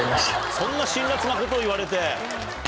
そんな辛辣なことを言われて。